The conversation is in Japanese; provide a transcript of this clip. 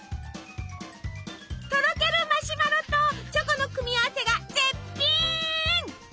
とろけるマシュマロとチョコの組み合わせが絶品！